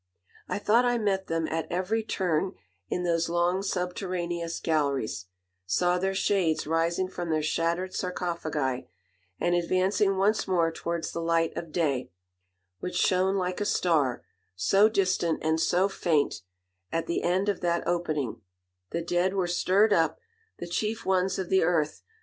I thought I met them at every turn in those long subterraneous galleries, saw their shades rising from their shattered sarcophagi, and advancing once more towards the light of day, which shone like a star, so distant and so faint, at the end of that opening; the dead were stirred up, the chief ones of the earth....